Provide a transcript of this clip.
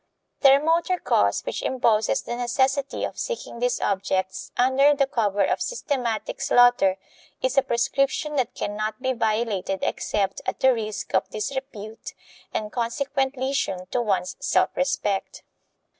The remoter cause which imposes the necessity of seeking these objects under the cover of systematic slaughter is a prescription that can not be violated except at the risk of disrepute and consequent lesion to one's self respect.